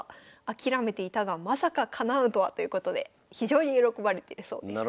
諦めていたがまさかかなうとは」ということで非常に喜ばれてるそうです。